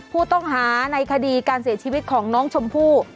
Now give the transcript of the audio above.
ผู้ต้องหาในคดีการเสียชีวิตของน้องชมพู่